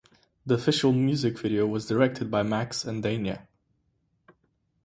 The official music video was directed by Max and Dania.